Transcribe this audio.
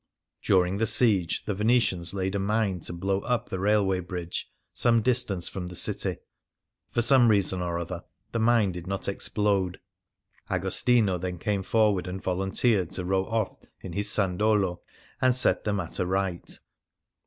During the siege the Venetians laid a mine to blow up the railway bridge, some distance from the city. For some reason or other the mine did not explode. Agostino then came forward and volunteered to row off in his sandolo and set the matter right.